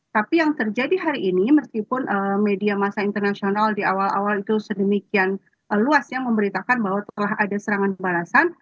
tapi yang terjadi hari ini meskipun media masa internasional di awal awal itu sedemikian luas yang memberitakan bahwa telah ada serangan balasan